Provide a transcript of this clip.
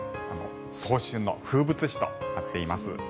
早春の風物詩となっています。